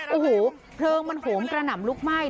โอ้โหเพลิงมันโหมกระหน่ำลุกไหม้